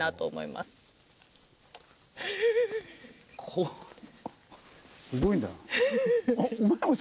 すごいんだよ。